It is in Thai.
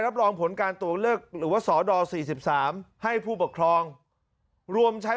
รับรองผลการตรวจเลือกหรือว่าสด๔๓ให้ผู้ปกครองรวมใช้